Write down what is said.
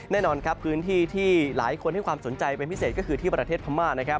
แน่นอนครับพื้นที่ที่หลายคนให้ความสนใจเป็นพิเศษก็คือที่ประเทศพม่านะครับ